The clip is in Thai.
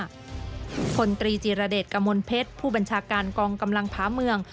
ตรีจิรเดชกมลเพชรผู้บัญชาการกองกำลังผาเมือง